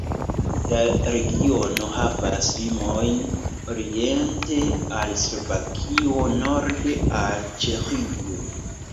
La regiono havas limojn oriente al Slovakio, norde al Ĉeĥio.